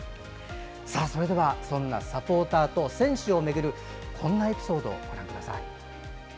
では、そんなサポーターと選手をめぐるこんなエピソードをご覧ください。